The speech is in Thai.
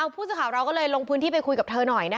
ผู้สื่อข่าวเราก็เลยลงพื้นที่ไปคุยกับเธอหน่อย